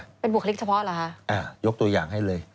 เป็นบุคลิกเฉพาะเหรอคะอ่ายกตัวอย่างให้เลย